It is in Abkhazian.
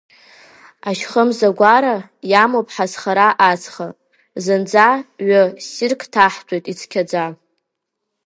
Ашьхымзагәара иамоуп ҳазхара ацха, зынӡа ҩы ссирк ҭаҳҭәоит, ицқьаӡа.